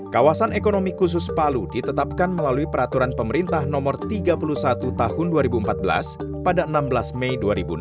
kawasan ekonomi khusus palu ditetapkan melalui peraturan pemerintah nomor tiga puluh satu tahun dua ribu empat belas pada enam belas mei dua ribu enam belas